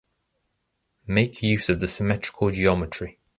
Make use of the symmetrical geometry.